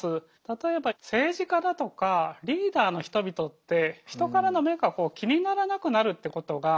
例えば政治家だとかリーダーの人々って人からの目が気にならなくなるってことがあるみたいです。